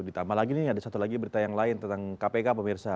ditambah lagi nih ada satu lagi berita yang lain tentang kpk pemirsa